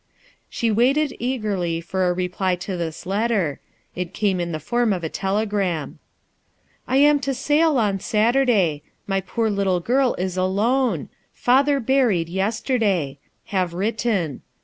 She waited eagerly for a reply to this letter; it came in the form of a telegram. "I am to sad on Saturday, My poor little girl is alone. Father buried yesterday. Have written.